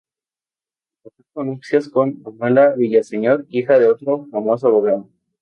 Contrajo nupcias con Manuela Villaseñor, hija de otro famoso abogado.